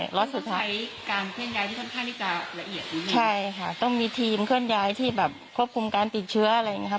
ล็อตสุดท้ายการเคลื่อนย้ายที่ค่อนข้างที่จะละเอียดดีใช่ค่ะต้องมีทีมเคลื่อนย้ายที่แบบควบคุมการติดเชื้ออะไรอย่างเงี้ค่ะ